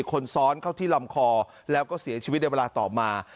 คนซ้อนเข้าที่ลำคอแล้วก็เสียชีวิตในเวลาต่อมา